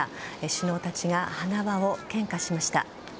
首脳たちが花輪を献花しました。